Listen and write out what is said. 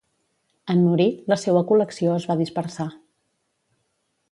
En morir, la seua col·lecció es va dispersar.